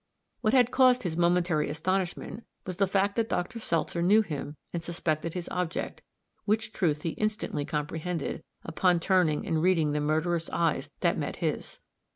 What had caused his momentary astonishment was the fact that Dr. Seltzer knew him and suspected his object, which truth he instantly comprehended, upon turning and reading the murderous eyes that met his.